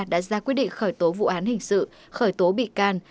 đã ra quyết định khởi tố vụ án hình sự khởi tố bị can